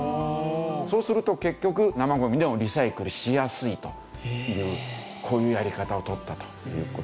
そうすると結局生ゴミでもリサイクルしやすいというこういうやり方を取ったという事ですね。